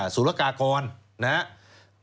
ศูลกากรนะฮะ